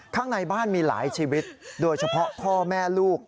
ข้างในบ้านมีหลายชีวิตโดยเฉพาะพ่อแม่ลูก